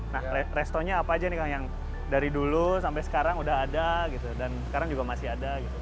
nah restorannya apa aja nih kang yang dari dulu sampai sekarang udah ada gitu dan sekarang juga masih ada gitu